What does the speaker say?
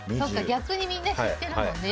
逆にみんな知ってるもんね。